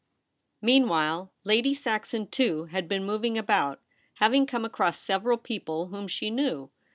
I^^E AN WHILE Lady Saxon, too, had ; been moving about, having come Ti^r^ across several people whom she knew.